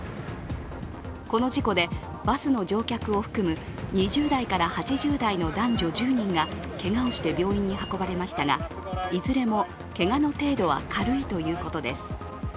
この事故でバスの乗客を含む２０代から８０代の男女１０人がけがをして病院に運ばれましたがいずれもけがの程度は軽いということです。